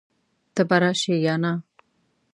ته به راشې يا نه؟